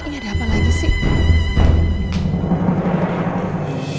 ini ada apa lagi sih